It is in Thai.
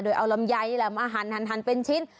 โดยเอาลำไยนี่แหละมาหันเป็นชิ้น